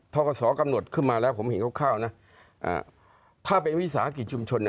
กศกำหนดขึ้นมาแล้วผมเห็นคร่าวนะถ้าเป็นวิสาหกิจชุมชนเนี่ย